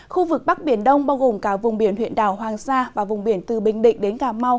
khu vực bắc biển đông bao gồm cả vùng biển huyện đảo hoàng sa và vùng biển từ bình định đến cà mau